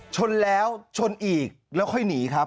ชนแล้วชนอีกแล้วค่อยหนีครับ